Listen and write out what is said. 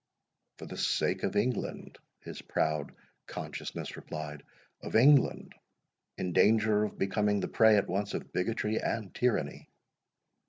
—"For the sake of England," his proud consciousness replied,—"Of England, in danger of becoming the prey at once of bigotry and tyranny."